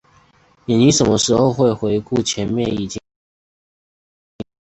眼睛什么时候会回顾前面已经看到过的单词？